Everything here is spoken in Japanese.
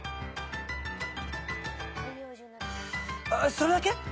それだけ！？